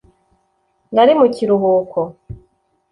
Nari mu kiruhuko